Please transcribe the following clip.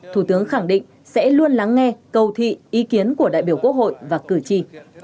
thủ tướng khẳng định sẽ luôn lắng nghe cầu thị ý kiến của đại biểu quốc hội và cử tri